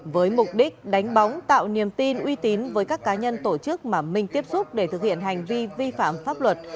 với mục đích đánh bóng tạo niềm tin uy tín với các cá nhân tổ chức mà minh tiếp xúc để thực hiện hành vi vi phạm pháp luật